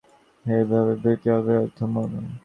আমি বলছি, তাকে চাপা দিতে গেলে সে হবে ভীরুতা, সে হবে অধর্ম।